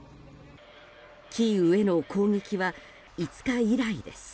キーウへの攻撃は５日以来です。